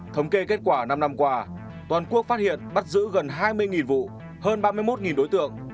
thống kê kết quả năm năm qua toàn quốc phát hiện bắt giữ gần hai mươi vụ hơn ba mươi một đối tượng